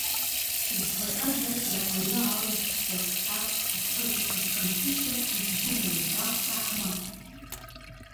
Зԥаҵа џьаџьа аҩы алыхәхәо аҵәца зҿыҵакыз Камшьышь иахь ибжьы наиргахт Аҳмаҭ.